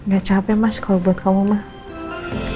gak capek mas kalo buat kamu mah